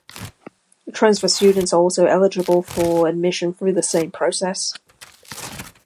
Transfer students are also eligible for admission through the same process.